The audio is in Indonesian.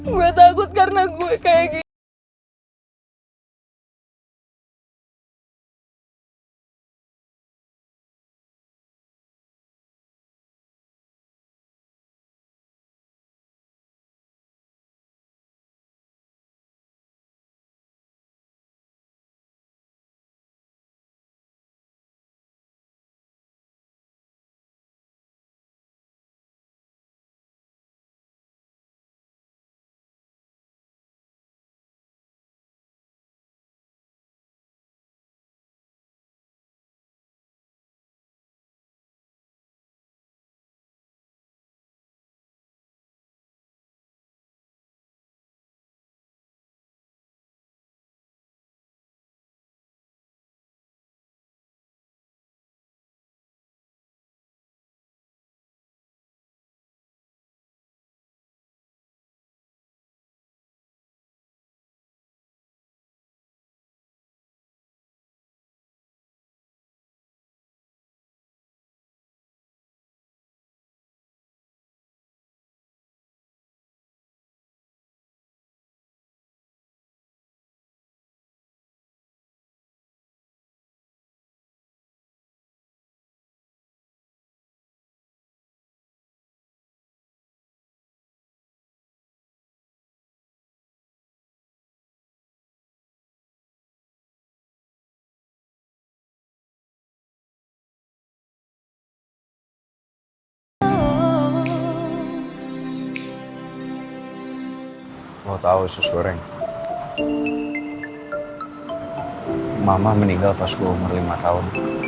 gue takut karena gue kayak gitu